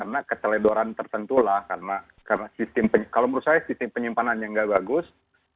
di seledoran tertentu lah karena kalau menurut saya sistem penyimpanan yang gak bagus